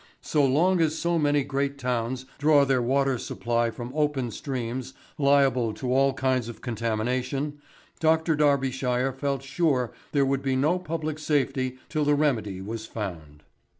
So long as so many great towns draw their water supply from open streams liable to all kinds of contamination, Dr. Darbyshire felt sure there would be no public safety till the remedy was found.